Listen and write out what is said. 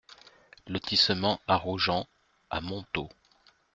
Lotissement Arrougen à Montaut